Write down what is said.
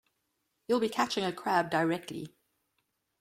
You’ll be catching a crab directly.